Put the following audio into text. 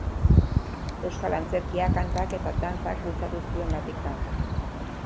Euskal antzerkia, kantak eta dantzak bultzatu zituen, batik bat.